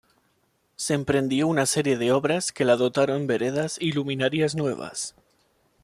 Se emprendió una serie de obras que la dotaron veredas y luminarias nuevas.